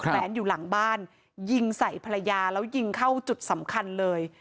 แวนอยู่หลังบ้านยิงใส่ภรรยาแล้วยิงเข้าจุดสำคัญเลย